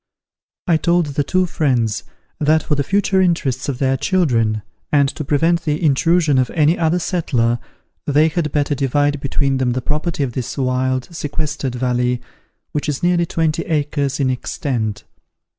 I told the two friends that for the future interests of their children, and to prevent the intrusion of any other settler, they had better divide between them the property of this wild, sequestered valley, which is nearly twenty acres in extent.